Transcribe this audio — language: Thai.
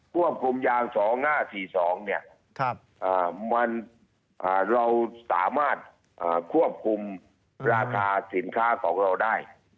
ควบคุมยาง๒๕๔๒เราสามารถควบคุมราคาสินค้าของเราได้